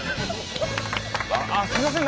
あっすみません